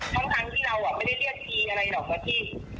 ทั้งที่เราไม่ได้เรียกทีอะไรหรอกนะพี่